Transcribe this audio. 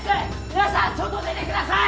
皆さん外出てください！